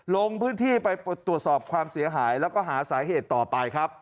ลงพื้นที่ไปตรวจสอบความเสียหายแล้วก็หาสาเหตุต่อไปครับ